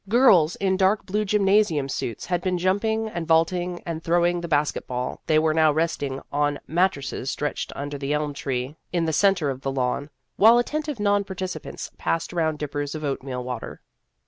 Girls in dark blue gymnasium suits had been jumping and vaulting and throwing the basket ball ; they were now resting on mattresses stretched under the elm tree 1 6 Vassar Studies in the centre of the lawn, while attentive non participants passed around dippers of oatmeal water.